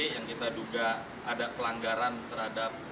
yang kita duga ada pelanggaran terhadap